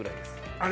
あれ